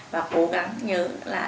và cố gắng nhớ là